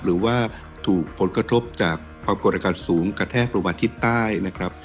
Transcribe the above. หรือว่าถูกผลกระทบจากความกดอากาศสูงกระแทกลงมาทิศใต้นะครับ